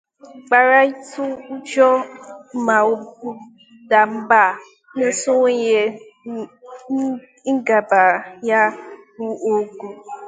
ghara ịtụ ụjọ maọbụ daa mba n'isonye n'ịgba ya bụ ọgwụ